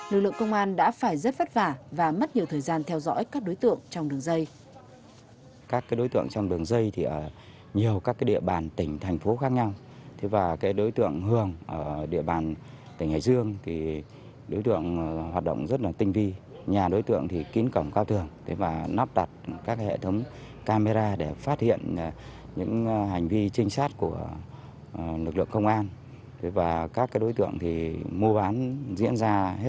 lực lượng công an đã phải rất vất vả và mất nhiều thời gian theo dõi các đối tượng trong đường dây